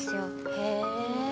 へえ。